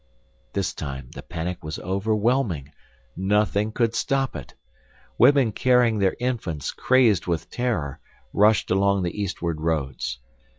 This time the panic was overwhelming; nothing could stop it. Women carrying their infants, crazed with terror, rushed along the eastward roads.